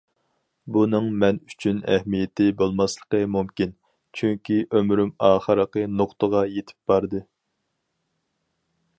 بۇنىڭ مەن ئۈچۈن ئەھمىيىتى بولماسلىقى مۇمكىن، چۈنكى ئۆمرۈم ئاخىرقى نۇقتىغا يېتىپ باردى.